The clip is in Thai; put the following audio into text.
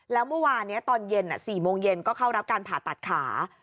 แล้วเมื่อวานนี้ตอนเย็น๔โมงเย็นก็เข้ารับการผ่าตัดขา